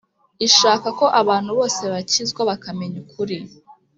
ishaka ko abantu bose bakizwa bakamenya ukuri